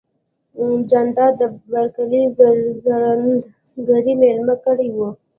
جانداد د بر کلي ژرندګړی ميلمه کړی و.